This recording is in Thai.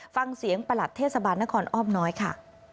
ประหลัดเทศบาลนครอ้อมน้อยค่ะ